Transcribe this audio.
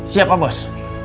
siap pak bos